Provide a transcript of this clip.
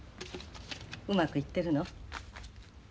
うまくいってるの？